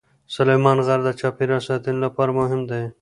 سلیمان غر د چاپیریال ساتنې لپاره مهم دی.